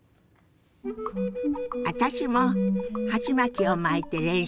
私も鉢巻きを巻いて練習するわよ。